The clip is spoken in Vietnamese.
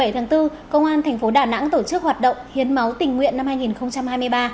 bảy tháng bốn công an thành phố đà nẵng tổ chức hoạt động hiến máu tình nguyện năm hai nghìn hai mươi ba